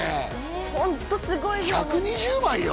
ホントすごい量１２０枚よ